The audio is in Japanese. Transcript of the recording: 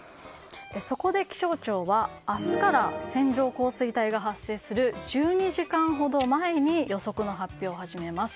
そこで、気象庁は明日から線状降水帯が発生する１２時間ほど前に予測の発表を始めます。